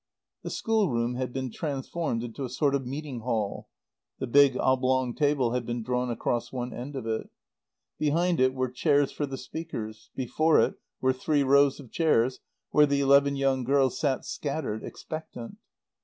The schoolroom had been transformed into a sort of meeting hall. The big oblong table had been drawn across one end of it. Behind it were chairs for the speakers, before it were three rows of chairs where the eleven young girls sat scattered, expectant.